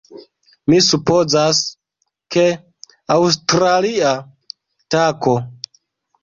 Mi supozas, ke... aŭstralia tako!